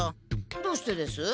どうしてです？